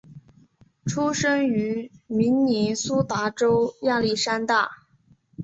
出生于明尼苏达州亚历山大。